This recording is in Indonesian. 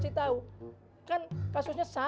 turah hidup tuh ni ayaika